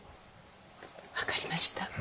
分かりました